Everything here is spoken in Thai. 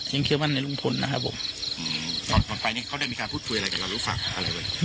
เชื่อมั่นในลุงพลนะครับผมก่อนไปเนี่ยเขาได้มีการพูดคุยอะไรกับเรารู้ฝากอะไรไว้